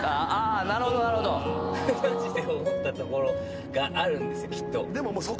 マジで思った所があるんですよきっと。